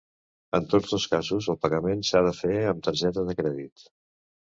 En tots dos casos, el pagament s'ha de fer amb targeta de crèdit.